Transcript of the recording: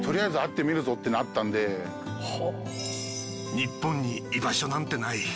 日本に居場所なんてない。